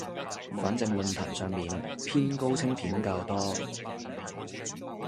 反正論壇上面偏高清片較多